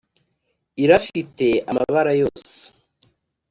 Irafite amabara yose